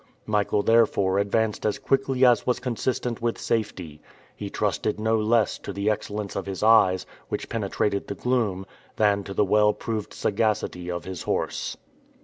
Michael therefore advanced as quickly as was consistent with safety. He trusted no less to the excellence of his eyes, which penetrated the gloom, than to the well proved sagacity of his horse.